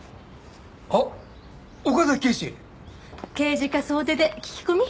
あっ岡崎警視！刑事課総出で聞き込み？